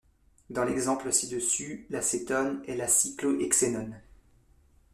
Dand l'exemple ci-dessus, la cétone est la cyclohexénone.